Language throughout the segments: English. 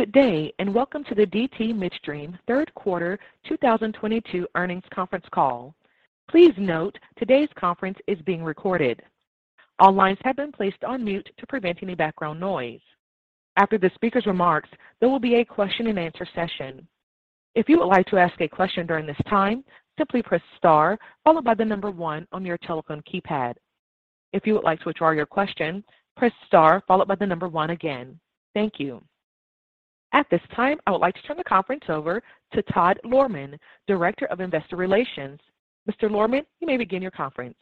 Good day, and welcome to the DT Midstream Third Quarter 2022 Earnings Conference Call. Please note today's conference is being recorded. All lines have been placed on mute to prevent any background noise. After the speaker's remarks, there will be a question-and-answer session. If you would like to ask a question during this time, simply press star followed by the number one on your telephone keypad. If you would like to withdraw your question, press star followed by the number one again. Thank you. At this time, I would like to turn the conference over to Todd Lohrmann, Director of Investor Relations. Mr. Lohrmann, you may begin your conference.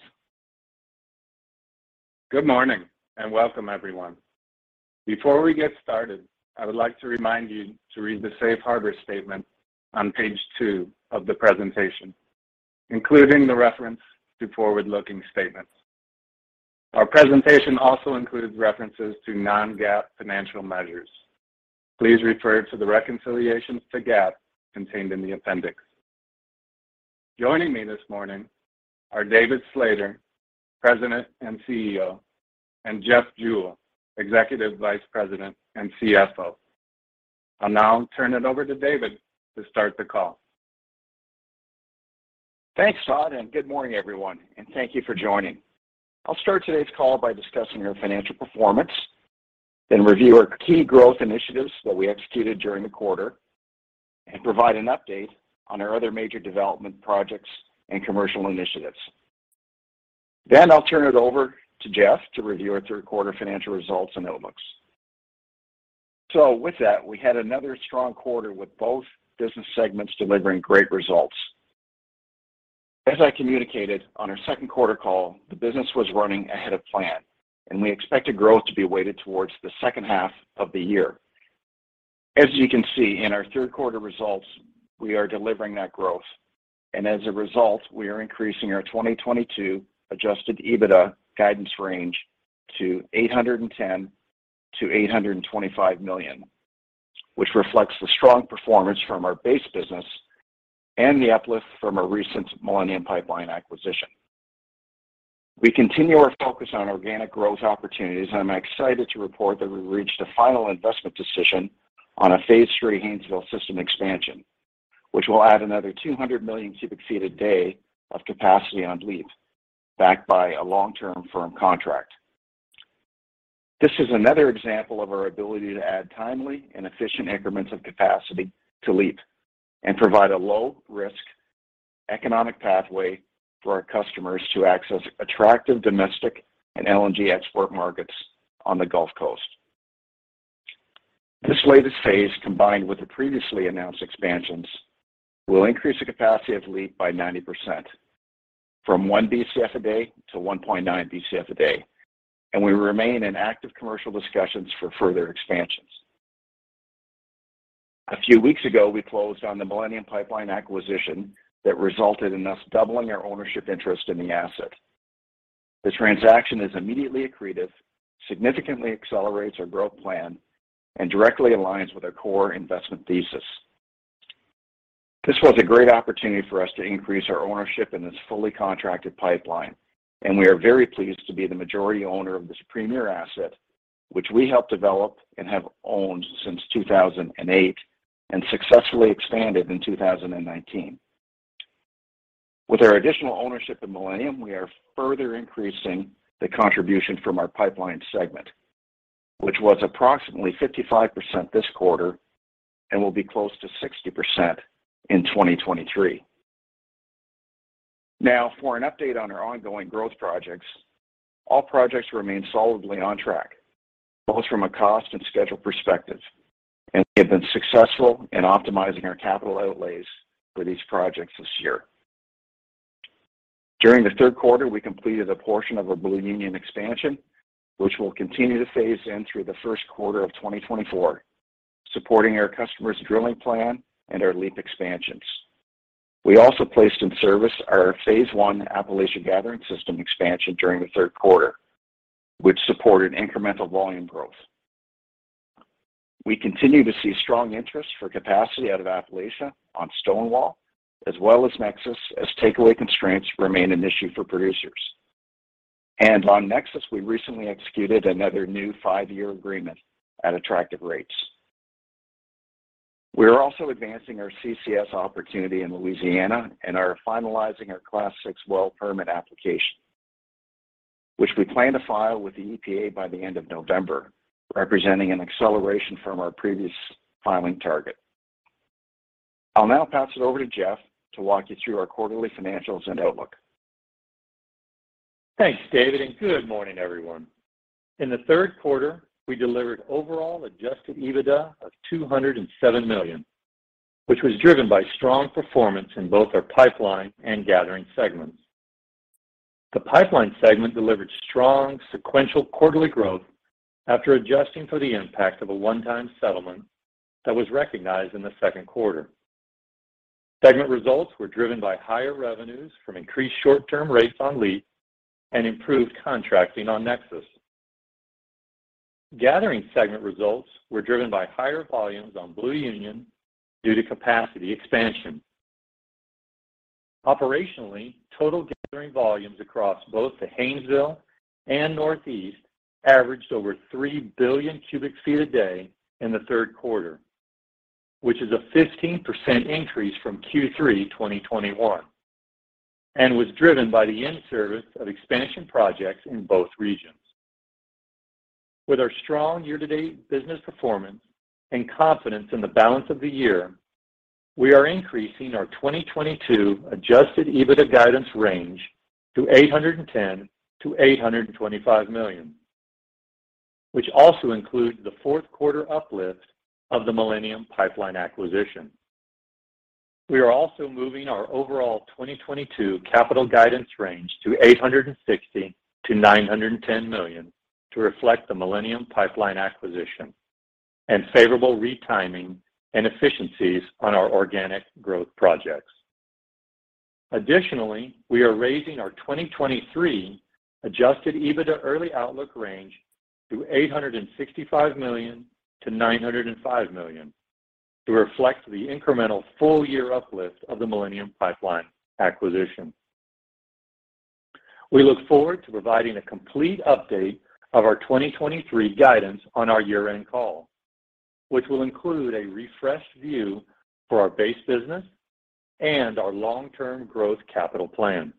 Good morning, and welcome, everyone. Before we get started, I would like to remind you to read the safe harbor statement on page two of the presentation, including the reference to forward-looking statements. Our presentation also includes references to non-GAAP financial measures. Please refer to the reconciliations to GAAP contained in the appendix. Joining me this morning are David Slater, President and CEO, and Jeff Jewell, Executive Vice President and CFO. I'll now turn it over to David to start the call. Thanks, Todd, and good morning, everyone, and thank you for joining. I'll start today's call by discussing our financial performance, then review our key growth initiatives that we executed during the quarter, and provide an update on our other major development projects and commercial initiatives. I'll turn it over to Jeff to review our third quarter financial results and outlooks. With that, we had another strong quarter with both business segments delivering great results. As I communicated on our second quarter call, the business was running ahead of plan, and we expected growth to be weighted towards the second half of the year. As you can see in our third quarter results, we are delivering that growth. As a result, we are increasing our 2022 Adjusted EBITDA guidance range to $810-$825 million, which reflects the strong performance from our base business and the uplift from our recent Millennium Pipeline acquisition. We continue our focus on organic growth opportunities, and I'm excited to report that we reached a final investment decision on a phase three Haynesville system expansion, which will add another 200 million cubic feet a day of capacity on LEAP, backed by a long-term firm contract. This is another example of our ability to add timely and efficient increments of capacity to LEAP and provide a low-risk economic pathway for our customers to access attractive domestic and LNG export markets on the Gulf Coast. This latest phase, combined with the previously announced expansions, will increase the capacity of LEAP by 90% from 1 Bcf/d a day to 1.9 Bcf/d a day, and we remain in active commercial discussions for further expansions. A few weeks ago, we closed on the Millennium Pipeline acquisition that resulted in us doubling our ownership interest in the asset. The transaction is immediately accretive, significantly accelerates our growth plan, and directly aligns with our core investment thesis. This was a great opportunity for us to increase our ownership in this fully contracted pipeline, and we are very pleased to be the majority owner of this premier asset, which we helped develop and have owned since 2008 and successfully expanded in 2019. With our additional ownership of Millennium, we are further increasing the contribution from our pipeline segment, which was approximately 55% this quarter and will be close to 60% in 2023. Now, for an update on our ongoing growth projects. All projects remain solidly on track, both from a cost and schedule perspective, and we have been successful in optimizing our capital outlays for these projects this year. During the third quarter, we completed a portion of our Blue Union expansion, which we'll continue to phase in through the first quarter of 2024, supporting our customers' drilling plan and our LEAP expansions. We also placed in service our phase I Appalachian Gathering System expansion during the third quarter, which supported incremental volume growth. We continue to see strong interest for capacity out of Appalachia on Stonewall as well as Nexus as takeaway constraints remain an issue for producers. On Nexus, we recently executed another new five-year agreement at attractive rates. We are also advancing our CCS opportunity in Louisiana and are finalizing our Class VI well permit application, which we plan to file with the EPA by the end of November, representing an acceleration from our previous filing target. I'll now pass it over to Jeff to walk you through our quarterly financials and outlook. Thanks, David, and good morning, everyone. In the third quarter, we delivered overall Adjusted EBITDA of $207 million, which was driven by strong performance in both our pipeline and gathering segments. The pipeline segment delivered strong sequential quarterly growth after adjusting for the impact of a one-time settlement that was recognized in the second quarter. Segment results were driven by higher revenues from increased short-term rates on LEAP and improved contracting on Nexus. Gathering segment results were driven by higher volumes on Blue Union due to capacity expansion. Operationally, total gathering volumes across both the Haynesville and Northeast averaged over 3 Bcf/d a day in the third quarter, which is a 15% increase from Q3 2021, and was driven by the in-service of expansion projects in both regions. With our strong year-to-date business performance and confidence in the balance of the year, we are increasing our 2022 Adjusted EBITDA guidance range to $810 million-$825 million, which also includes the fourth quarter uplift of the Millennium Pipeline acquisition. We are also moving our overall 2022 capital guidance range to $860 million-$910 million to reflect the Millennium Pipeline acquisition and favorable retiming and efficiencies on our organic growth projects. Additionally, we are raising our 2023 Adjusted EBITDA early outlook range to $865 million-$905 million to reflect the incremental full-year uplift of the Millennium Pipeline acquisition. We look forward to providing a complete update of our 2023 guidance on our year-end call, which will include a refreshed view for our base business and our long-term growth capital plan.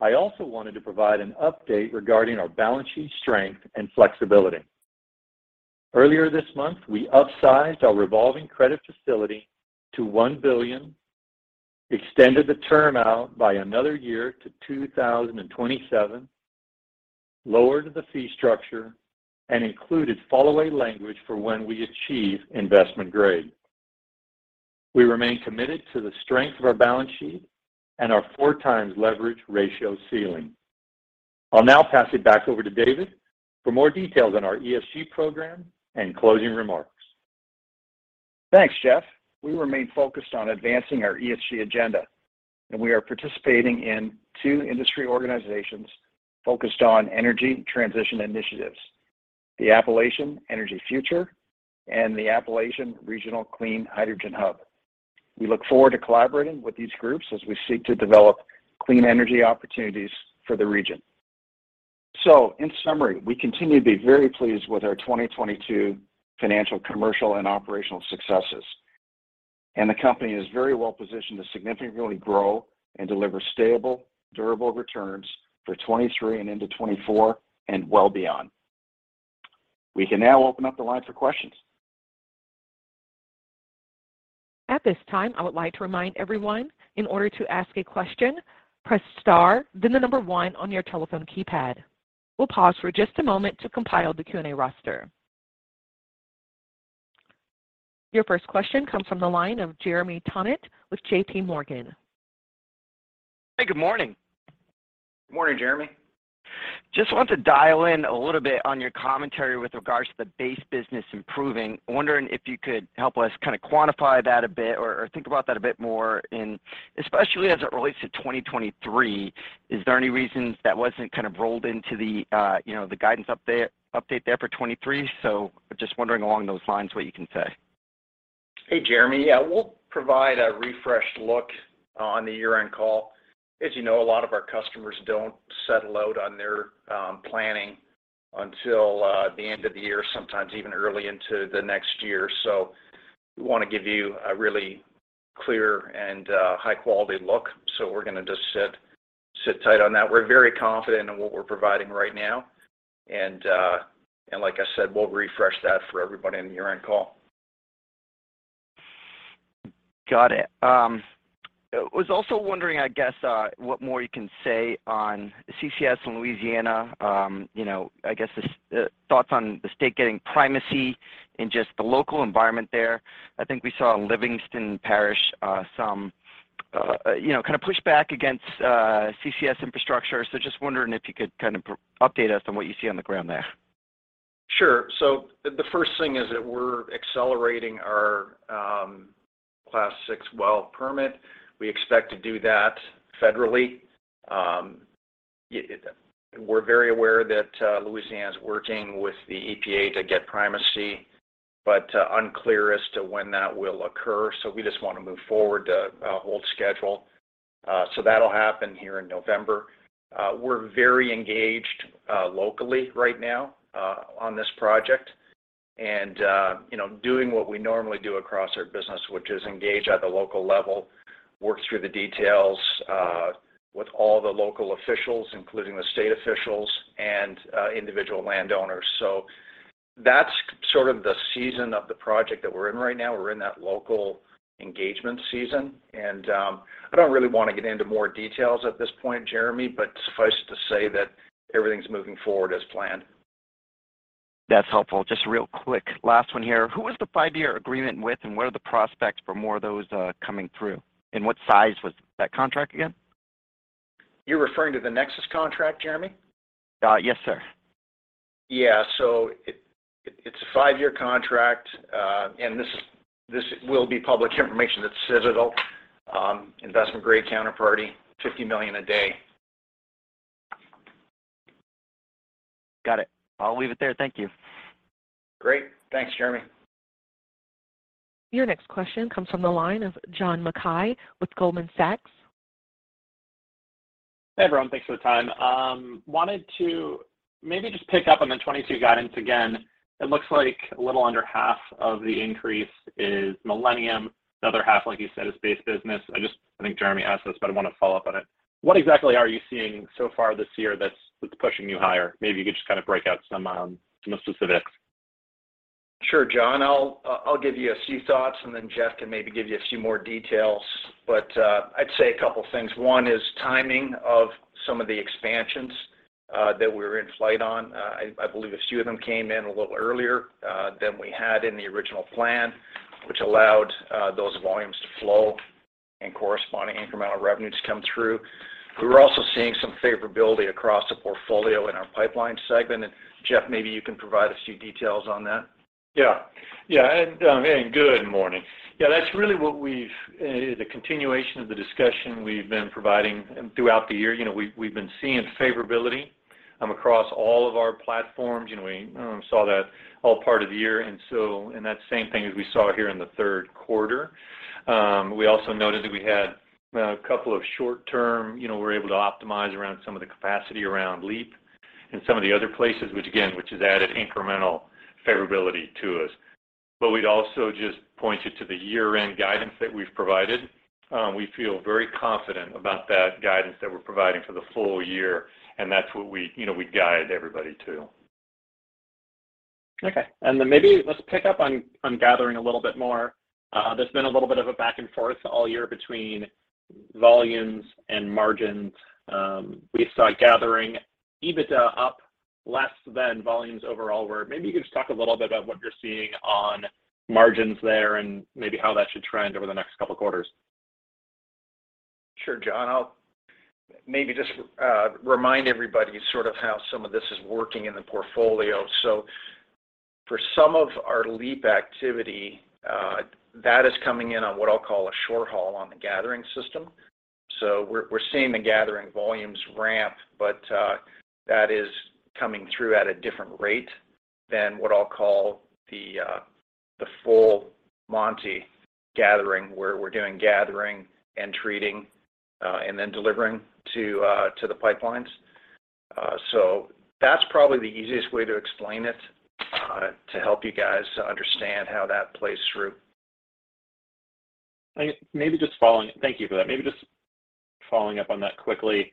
I also wanted to provide an update regarding our balance sheet strength and flexibility. Earlier this month, we upsized our revolving credit facility to $1 billion, extended the term out by another year to 2027, lowered the fee structure, and included fallaway language for when we achieve investment grade. We remain committed to the strength of our balance sheet and our 4x leverage ratio ceiling. I'll now pass it back over to David for more details on our ESG program and closing remarks. Thanks, Jeff. We remain focused on advancing our ESG agenda, and we are participating in two industry organizations focused on energy transition initiatives, the Appalachian Energy Future and the Appalachian Regional Clean Hydrogen Hub. We look forward to collaborating with these groups as we seek to develop clean energy opportunities for the region. In summary, we continue to be very pleased with our 2022 financial, commercial, and operational successes. The company is very well positioned to significantly grow and deliver stable, durable returns for 2023 and into 2024 and well beyond. We can now open up the line for questions. At this time, I would like to remind everyone in order to ask a question, press star, then the number one on your telephone keypad. We'll pause for just a moment to compile the Q&A roster. Your first question comes from the line of Jeremy Tonet with JPMorgan. Hey, good morning. Morning, Jeremy. Just want to dial in a little bit on your commentary with regards to the base business improving. Wondering if you could help us kind of quantify that a bit or think about that a bit more in, especially as it relates to 2023. Is there any reasons that wasn't kind of rolled into the you know, the guidance update there for 2023? Just wondering along those lines what you can say. Hey, Jeremy. Yeah, we'll provide a refreshed look on the year-end call. As you know, a lot of our customers don't settle out on their planning until the end of the year, sometimes even early into the next year. We wanna give you a really clear and high-quality look. We're gonna just sit tight on that. We're very confident in what we're providing right now. Like I said, we'll refresh that for everybody in the year-end call. Got it. Was also wondering, I guess, what more you can say on CCS in Louisiana. You know, I guess thoughts on the state getting primacy in just the local environment there. I think we saw Livingston Parish some you know kind of push back against CCS infrastructure. Just wondering if you could kind of update us on what you see on the ground there. Sure. The first thing is that we're accelerating our Class VI well permit. We expect to do that federally. We're very aware that Louisiana is working with the EPA to get primacy, but unclear as to when that will occur. We just wanna move forward to hold schedule. That'll happen here in November. We're very engaged locally right now on this project and you know, doing what we normally do across our business, which is engage at the local level, work through the details with all the local officials, including the state officials and individual landowners. That's sort of the season of the project that we're in right now. We're in that local engagement season. I don't really wanna get into more details at this point, Jeremy, but suffice it to say that everything's moving forward as planned. That's helpful. Just real quick, last one here. Who was the five-year agreement with, and what are the prospects for more of those coming through? What size was that contract again? You're referring to the Nexus contract, Jeremy? Yes, sir. It's a five-year contract, and this will be public information. That's Coterra, investment-grade counterparty, $50 million a day. Got it. I'll leave it there. Thank you. Great. Thanks, Jeremy. Your next question comes from the line of John Mackay with Goldman Sachs. Hey, everyone. Thanks for the time. Wanted to maybe just pick up on the 2022 guidance again. It looks like a little under half of the increase is Millennium. The other half, like you said, is base business. I just, I think Jeremy asked this, but I want to follow up on it. What exactly are you seeing so far this year that's pushing you higher? Maybe you could just kind of break out some specifics. Sure, John. I'll give you a few thoughts, and then Jeff can maybe give you a few more details. I'd say a couple of things. One is timing of some of the expansions that we're in flight on. I believe a few of them came in a little earlier than we had in the original plan, which allowed those volumes to flow and corresponding incremental revenue to come through. We were also seeing some favorability across the portfolio in our pipeline segment. Jeff, maybe you can provide a few details on that. Yeah. Good morning. That's really the continuation of the discussion we've been providing throughout the year. You know, we've been seeing favorability across all of our platforms. You know, we saw that all year, and that same thing as we saw here in the third quarter. We also noted that we had a couple of short term. You know, we're able to optimize around some of the capacity around LEAP and some of the other places, which again has added incremental favorability to us. We'd also just point you to the year-end guidance that we've provided. We feel very confident about that guidance that we're providing for the full year, and that's what you know, we guide everybody to. Okay. Maybe let's pick up on gathering a little bit more. There's been a little bit of a back and forth all year between volumes and margins. We saw gathering EBITDA up less than volumes overall were. Maybe you can just talk a little bit about what you're seeing on margins there and maybe how that should trend over the next couple of quarters. Sure, John. I'll maybe just remind everybody sort of how some of this is working in the portfolio. For some of our LEAP activity, that is coming in on what I'll call a short haul on the gathering system. We're seeing the gathering volumes ramp, but that is coming through at a different rate than what I'll call the full monty gathering, where we're doing gathering and treating and then delivering to the pipelines. That's probably the easiest way to explain it to help you guys understand how that plays through. Thank you for that. Maybe just following up on that quickly.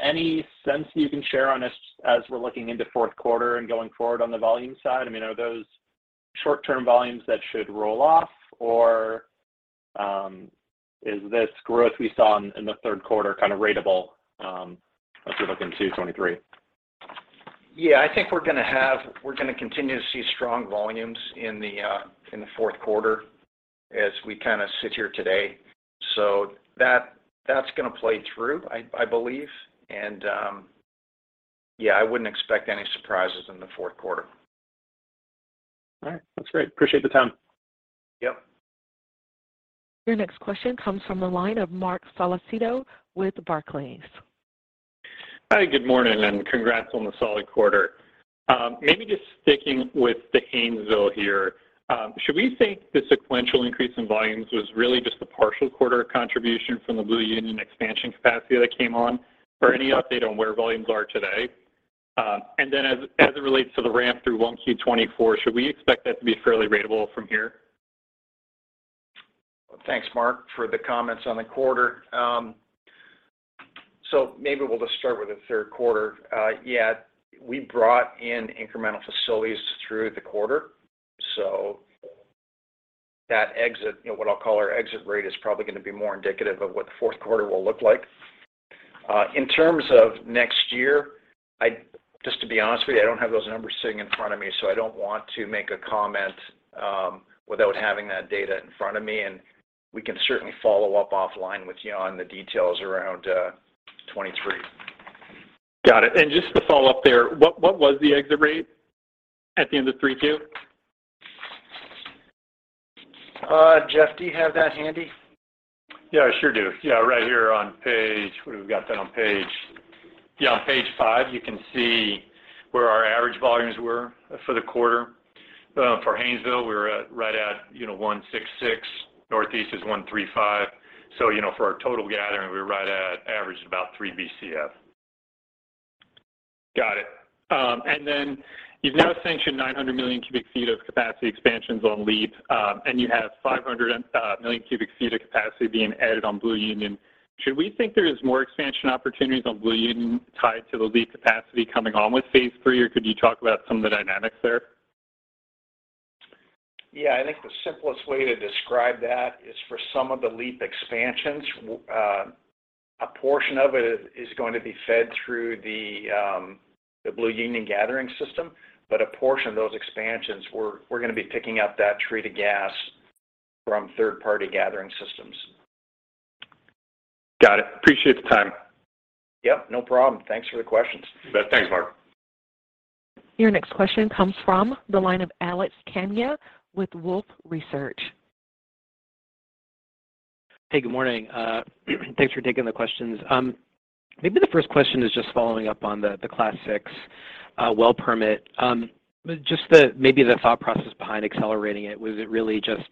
Any sense you can share on this as we're looking into fourth quarter and going forward on the volume side? I mean, are those short-term volumes that should roll off? Or, is this growth we saw in the third quarter kind of ratable as we look into 2023? Yeah, I think we're gonna continue to see strong volumes in the fourth quarter as we kind of sit here today. So that's gonna play through, I believe. Yeah, I wouldn't expect any surprises in the fourth quarter. All right. That's great. Appreciate the time. Yep. Your next question comes from the line of Marc Solecitto with Barclays. Hi. Good morning, and congrats on the solid quarter. Maybe just sticking with the Haynesville here. Should we think the sequential increase in volumes was really just a partial quarter contribution from the Blue Union expansion capacity that came on? Or any update on where volumes are today? And then as it relates to the ramp through 1Q 2024, should we expect that to be fairly ratable from here? Thanks, Marc, for the comments on the quarter. Maybe we'll just start with the third quarter. Yeah, we brought in incremental facilities through the quarter, so that exit, you know, what I'll call our exit rate, is probably gonna be more indicative of what the fourth quarter will look like. In terms of next year, I, just to be honest with you, I don't have those numbers sitting in front of me, so I don't want to make a comment without having that data in front of me. We can certainly follow up offline with you on the details around 2023. Got it. Just to follow up there, what was the exit rate at the end of 3Q? Jeff, do you have that handy? Yeah, I sure do. Yeah, right here on page. Where have we got that? On page. Yeah, on page five, you can see where our average volumes were for the quarter. For Haynesville, we were at, right at, you know, 166. Northeast is 135. You know, for our total gathering, we're right at average of about 3 Bcf/d. Got it. You've now sanctioned 900 million cubic feet of capacity expansions on LEAP, and you have 500 MMcf of capacity being added on Blue Union. Should we think there is more expansion opportunities on Blue Union tied to the LEAP capacity coming on with phase III? Or could you talk about some of the dynamics there? Yeah. I think the simplest way to describe that is for some of the LEAP expansions, a portion of it is going to be fed through the Blue Union Gathering System. A portion of those expansions, we're gonna be picking up that treated gas from third-party gathering systems. Got it. Appreciate the time. Yep, no problem. Thanks for the questions. Thanks, Marc. Your next question comes from the line of Alex Kania with Wolfe Research. Hey, good morning. Thanks for taking the questions. Maybe the first question is just following up on the Class VI well permit. Just the thought process behind accelerating it. Was it really just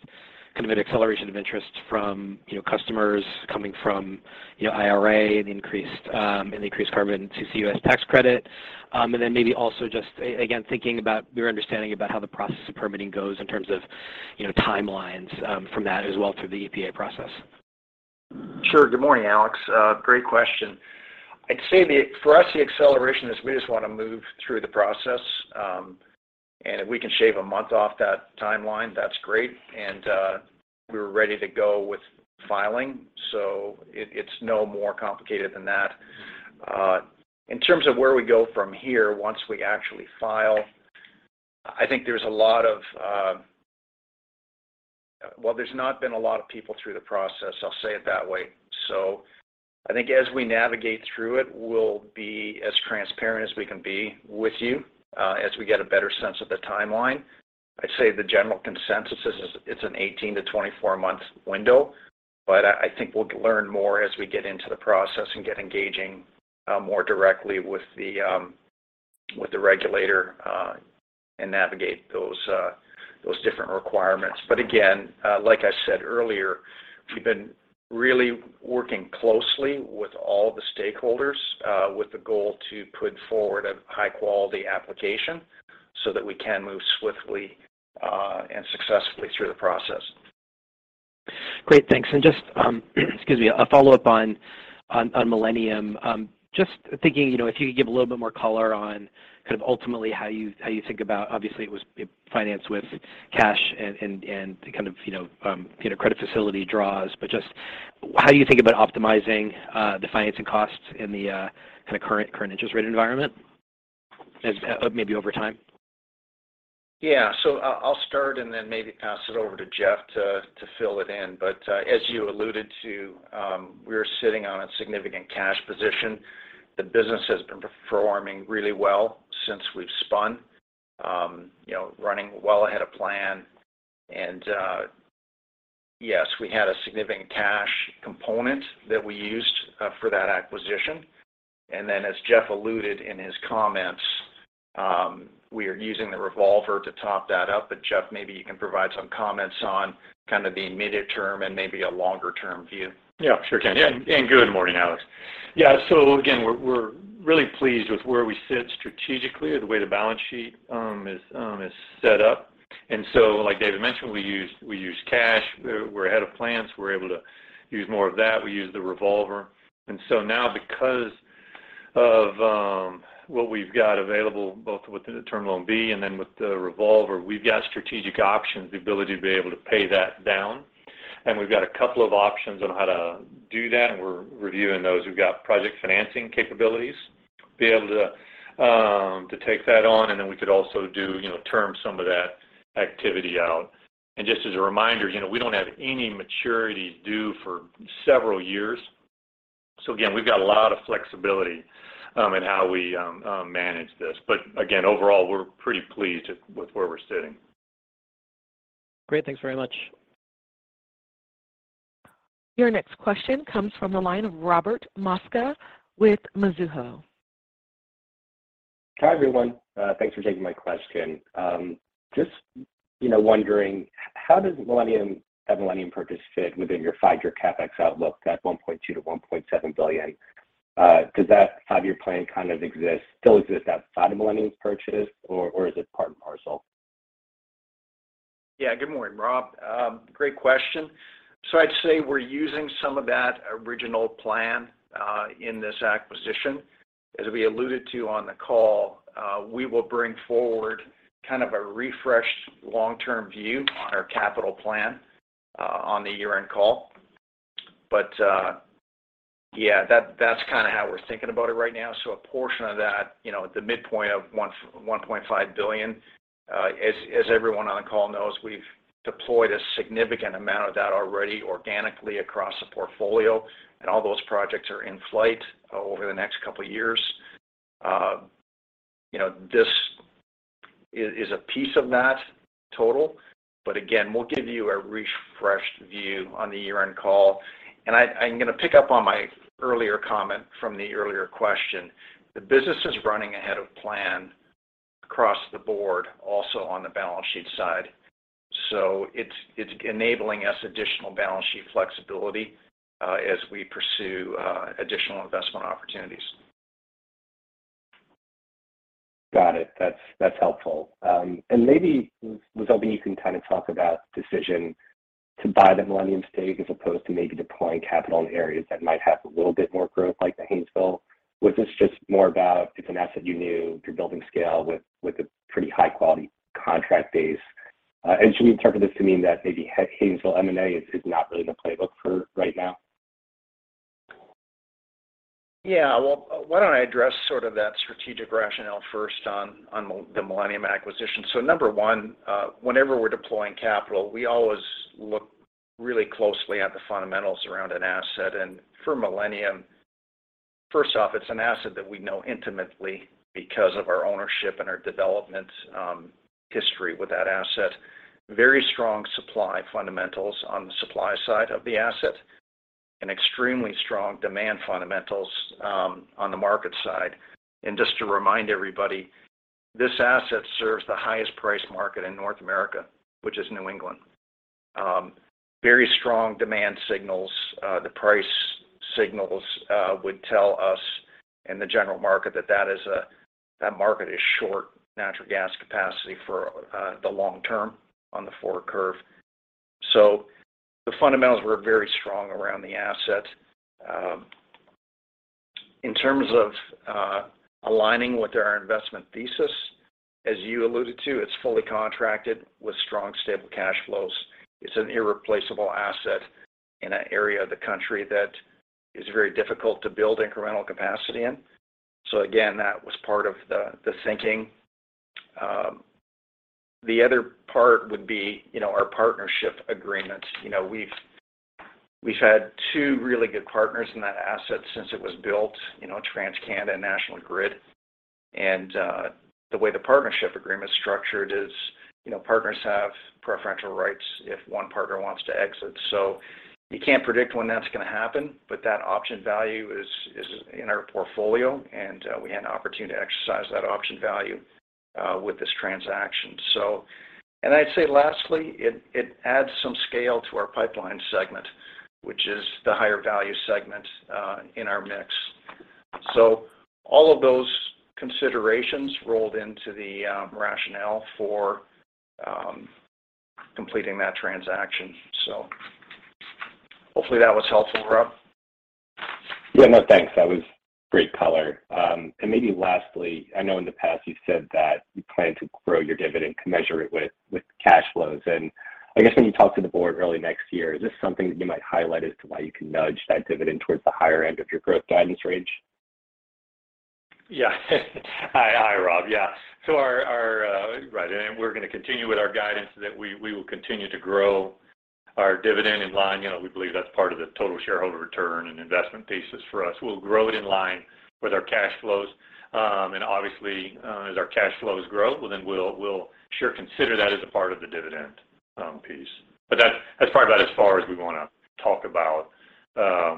kind of an acceleration of interest from, you know, customers coming from, you know, IRA, the increased, and the increased 45Q tax credit? And then maybe also just again, thinking about your understanding about how the process of permitting goes in terms of, you know, timelines, from that as well through the EPA process. Sure. Good morning, Alex. Great question. I'd say for us, the acceleration is we just want to move through the process. If we can shave a month off that timeline, that's great. We were ready to go with filing, so it's no more complicated than that. In terms of where we go from here once we actually file, I think there's a lot of. Well, there's not been a lot of people through the process, I'll say it that way. I think as we navigate through it, we'll be as transparent as we can be with you, as we get a better sense of the timeline. I'd say the general consensus is it's an 18-24 month window, but I think we'll learn more as we get into the process and get engaging more directly with the regulator and navigate those different requirements. But again, like I said earlier, we've been really working closely with all the stakeholders with the goal to put forward a high-quality application so that we can move swiftly and successfully through the process. Great. Thanks. Just, excuse me, a follow-up on Millennium. Just thinking, you know, if you could give a little bit more color on kind of ultimately how you think about. Obviously, it was financed with cash and kind of, you know, credit facility draws. Just how do you think about optimizing the financing costs in the kind of current interest rate environment, maybe over time? Yeah. I'll start and then maybe pass it over to Jeff to fill it in. As you alluded to, we're sitting on a significant cash position. The business has been performing really well since we've spun, you know, running well ahead of plan. Yes, we had a significant cash component that we used for that acquisition. Then as Jeff alluded in his comments, we are using the revolver to top that up. Jeff, maybe you can provide some comments on kind of the immediate term and maybe a longer-term view. Yeah, sure can. Yeah. Good morning, Alex. Yeah. Again, we're really pleased with where we sit strategically, the way the balance sheet is set up. Like David mentioned, we used cash. We're ahead of plans. We're able to use more of that. We used the revolver. Now because of what we've got available both with the Term Loan B and then with the revolver, we've got strategic options, the ability to be able to pay that down, and we've got a couple of options on how to do that, and we're reviewing those. We've got project financing capabilities to take that on, and then we could also do, you know, term some of that activity out. Just as a reminder, you know, we don't have any maturity due for several years. Again, we've got a lot of flexibility in how we manage this. Again, overall, we're pretty pleased with where we're sitting. Great. Thanks very much. Your next question comes from the line of Robert Mosca with Mizuho. Hi, everyone. Thanks for taking my question. Just, you know, wondering how does the Millennium purchase fit within your five-year CapEx outlook at $1.2 billion-$1.7 billion? Does that five-year plan kind of still exist outside of Millennium's purchase or is it part and parcel? Yeah. Good morning, Robert Mosca. Great question. I'd say we're using some of that original plan in this acquisition. As we alluded to on the call, we will bring forward kind of a refreshed long-term view on our capital plan on the year-end call. Yeah, that's kind of how we're thinking about it right now. A portion of that, you know, the midpoint of $1.5 billion, as everyone on the call knows, we've deployed a significant amount of that already organically across the portfolio, and all those projects are in flight over the next couple of years. You know, this is a piece of that total. Again, we'll give you a refreshed view on the year-end call. I'm gonna pick up on my earlier comment from the earlier question. The business is running ahead of plan across the board, also on the balance sheet side. It's enabling us additional balance sheet flexibility as we pursue additional investment opportunities. Got it. That's helpful. Maybe David, you can kind of talk about the decision to buy the Millennium stake as opposed to maybe deploying capital in areas that might have a little bit more growth like the Haynesville. Was this just more about it's an asset you knew, you're building scale with a pretty high-quality contract base? Should we interpret this to mean that maybe Haynesville M&A is not really in the playbook for right now? Yeah. Well, why don't I address sort of that strategic rationale first on the Millennium acquisition. Number one, whenever we're deploying capital, we always look really closely at the fundamentals around an asset. For Millennium, first off, it's an asset that we know intimately because of our ownership and our development history with that asset. Very strong supply fundamentals on the supply side of the asset, and extremely strong demand fundamentals on the market side. Just to remind everybody, this asset serves the highest price market in North America, which is New England. Very strong demand signals. The price signals would tell us in the general market that that market is short natural gas capacity for the long term on the forward curve. The fundamentals were very strong around the asset. In terms of aligning with our investment thesis, as you alluded to, it's fully contracted with strong, stable cash flows. It's an irreplaceable asset in an area of the country that is very difficult to build incremental capacity in. Again, that was part of the thinking. The other part would be, you know, our partnership agreement. You know, we've had two really good partners in that asset since it was built, you know, TransCanada and National Grid. The way the partnership agreement is structured is, you know, partners have preferential rights if one partner wants to exit. You can't predict when that's gonna happen, but that option value is in our portfolio, and we had an opportunity to exercise that option value with this transaction. I'd say lastly, it adds some scale to our pipeline segment, which is the higher value segment in our mix. All of those considerations rolled into the rationale for completing that transaction. Hopefully that was helpful, Rob. Yeah. No, thanks. That was great color. Maybe lastly, I know in the past you've said that you plan to grow your dividend to measure it with cash flows. I guess when you talk to the board early next year, is this something that you might highlight as to why you can nudge that dividend towards the higher end of your growth guidance range? Yeah. Hi, Rob. Yeah. Right. We're gonna continue with our guidance that we will continue to grow our dividend in line. You know, we believe that's part of the total shareholder return and investment thesis for us. We'll grow it in line with our cash flows. Obviously, as our cash flows grow, well, then we'll surely consider that as a part of the dividend piece. That's probably about as far as we wanna talk about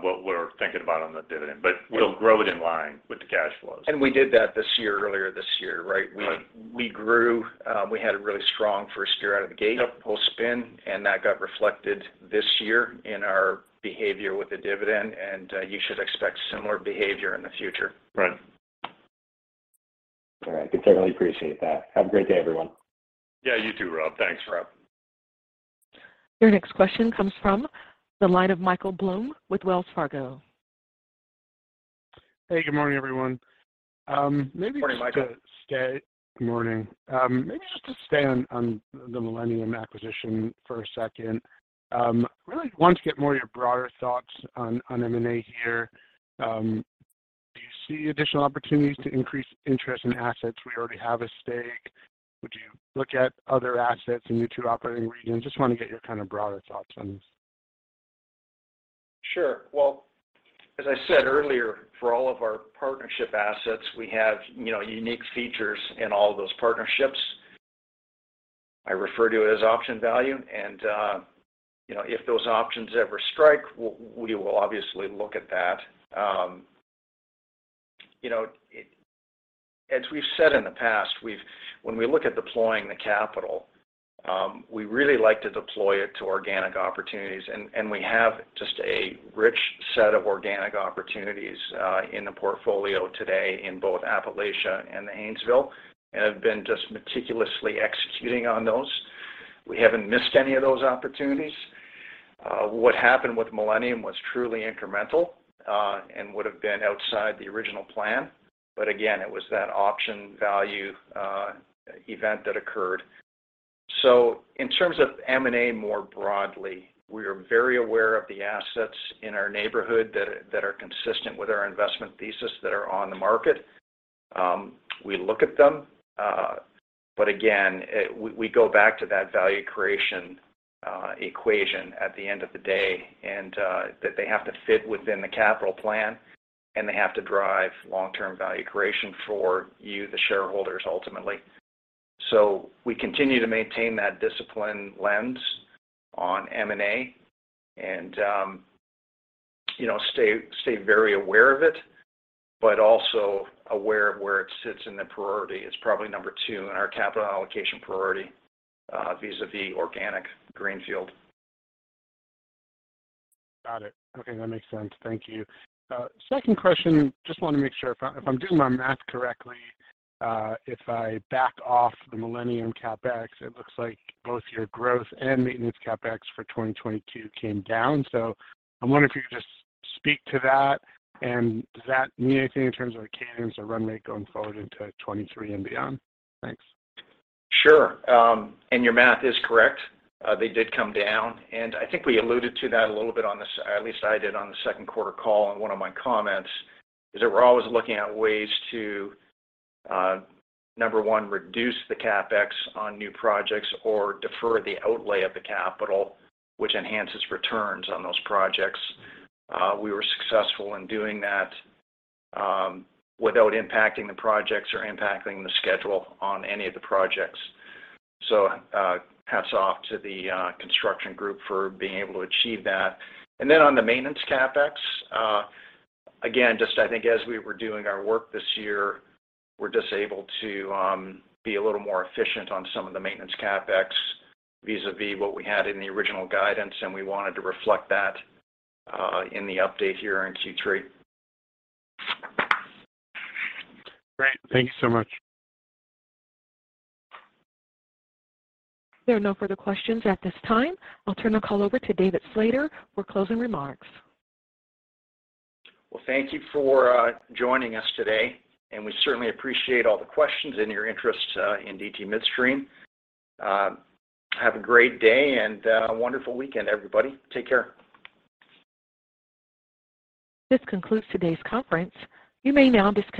what we're thinking about on the dividend. We'll grow it in line with the cash flows. We did that this year, earlier this year, right? Right. We grew. We had a really strong first year out of the gate. Yep post-spin, and that got reflected this year in our behavior with the dividend. You should expect similar behavior in the future. Right. All right. I can certainly appreciate that. Have a great day, everyone. Yeah, you too, Rob. Thanks, Rob. Your next question comes from the line of Michael Blum with Wells Fargo. Hey, good morning, everyone. Maybe just to stay- Morning, Michael. Morning. Maybe just to stay on the Millennium acquisition for a second. Really want to get more of your broader thoughts on M&A here. Do you see additional opportunities to increase interest in assets where you already have a stake? Would you look at other assets in your two operating regions? Just wanna get your kind of broader thoughts on this. Sure. Well, as I said earlier, for all of our partnership assets, we have, you know, unique features in all those partnerships. I refer to it as option value. You know, if those options ever strike, we will obviously look at that. As we've said in the past, when we look at deploying the capital, we really like to deploy it to organic opportunities. We have just a rich set of organic opportunities in the portfolio today in both Appalachia and the Haynesville, and have been just meticulously executing on those. We haven't missed any of those opportunities. What happened with Millennium was truly incremental and would have been outside the original plan. It was that option value event that occurred. In terms of M&A more broadly, we are very aware of the assets in our neighborhood that are consistent with our investment thesis that are on the market. We look at them. We go back to that value creation equation at the end of the day. That they have to fit within the capital plan, and they have to drive long-term value creation for you, the shareholders, ultimately. We continue to maintain that discipline lens on M&A and stay very aware of it, but also aware of where it sits in the priority. It's probably number 2 in our capital allocation priority vis-à-vis organic greenfield. Got it. Okay, that makes sense. Thank you. Second question, just wanna make sure if I'm doing my math correctly, if I back off the Millennium CapEx, it looks like both your growth and maintenance CapEx for 2022 came down. I wonder if you could just speak to that. Does that mean anything in terms of cadence or run rate going forward into 2023 and beyond? Thanks. Sure. Your math is correct. They did come down. I think we alluded to that a little bit on this, at least I did on the second quarter call in one of my comments, is that we're always looking at ways to number one, reduce the CapEx on new projects or defer the outlay of the capital, which enhances returns on those projects. We were successful in doing that without impacting the projects or impacting the schedule on any of the projects. Hats off to the construction group for being able to achieve that. On the maintenance CapEx, again, just I think as we were doing our work this year, we're just able to be a little more efficient on some of the maintenance CapEx vis-à-vis what we had in the original guidance, and we wanted to reflect that in the update here in Q3. Great. Thank you so much. There are no further questions at this time. I'll turn the call over to David Slater for closing remarks. Well, thank you for joining us today, and we certainly appreciate all the questions and your interest in DT Midstream. Have a great day and a wonderful weekend, everybody. Take care. This concludes today's conference. You may now disconnect.